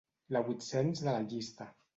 La vuit-cents de la llista.